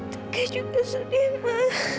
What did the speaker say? tika juga sedih ma